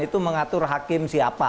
itu mengatur hakim